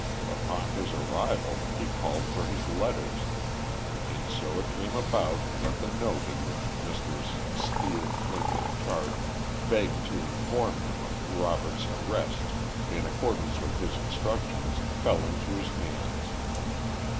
Upon his arrival he called for his letters, and so it came about that the note in which Messrs. Steel, Flint & Sharp, "begged to inform him" of Robert's arrest in accordance with his instructions, fell into his hands.